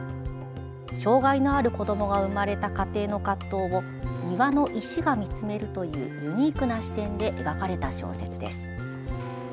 障害のある子どもが生まれた家庭の葛藤を庭の石が見つめるというユニークな視点で描かれた小説です。